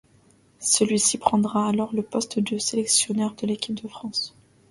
Celui-ci prendra alors le poste de sélectionneur de l'équipe de France.